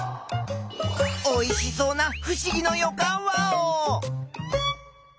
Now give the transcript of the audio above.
おいしそうなふしぎのよかんワオ！